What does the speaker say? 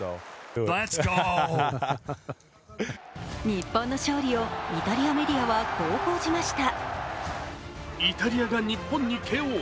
日本の勝利をイタリアメディアはこう報じました。